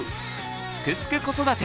「すくすく子育て」